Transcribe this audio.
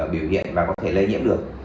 biểu hiện và có thể lấy nhiễm được